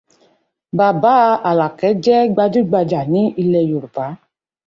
Bàbá Àlàkẹ̀ jẹ́ gbajúgbajà ní ilẹ̀ Yorùbá.